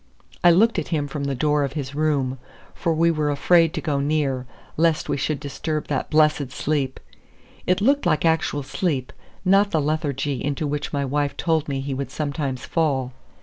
I looked at him from the door of his room, for we were afraid to go near, lest we should disturb that blessed sleep. It looked like actual sleep, not the lethargy into which my wife told me he would sometimes fall.